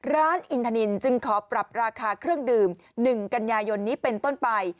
ร้านอินทานินจึงขอปรับราคาเครื่องดื่ม๑กันยายนนี้เป็นต้นไป